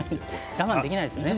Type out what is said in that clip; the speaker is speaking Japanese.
我慢できないですよね。